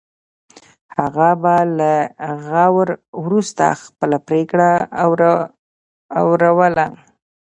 هغه به له غور وروسته خپله پرېکړه اوروله.